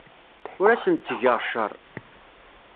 Ur asen-ttgeɣ cceṛ.